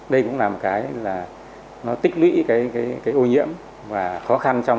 đây cũng là một cái là nó tích lũy cái ô nhiễm và khó khăn trong